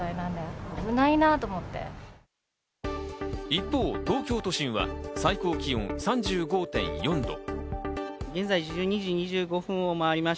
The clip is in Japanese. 一方、東京都心は最高気温３５．４度。